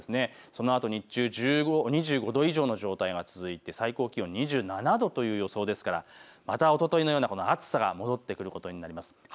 そのあと日中、２５度以上の状態が続いて最高気温２７度という予想ですから、おとといのような暑さが戻ってくることになります。